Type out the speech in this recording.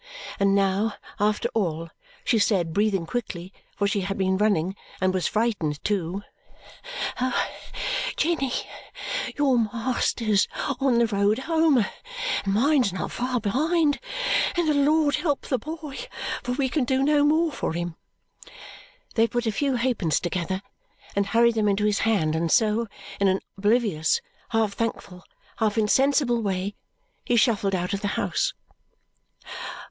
And now, after all, she said, breathing quickly, for she had been running and was frightened too, "Jenny, your master's on the road home, and mine's not far behind, and the Lord help the boy, for we can do no more for him!" They put a few halfpence together and hurried them into his hand, and so, in an oblivious, half thankful, half insensible way, he shuffled out of the house.